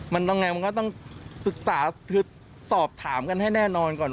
มันยังไงมันก็ต้องศึกษาคือสอบถามกันให้แน่นอนก่อน